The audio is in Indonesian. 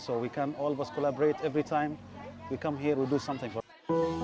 agar kita bisa berkolaborasi setiap kali kita datang ke sini kita bisa melakukan sesuatu